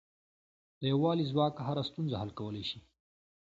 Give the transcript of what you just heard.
د یووالي ځواک هره ستونزه حل کولای شي.